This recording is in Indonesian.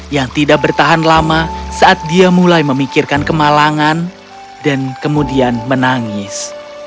yang tidak bertahan lama saat dia mulai memikirkan kemalangan dan kemudian menangis